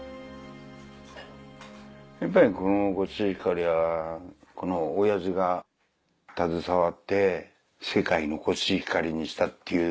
やっぱりこのコシヒカリはこの親父が携わって世界のコシヒカリにしたっていう。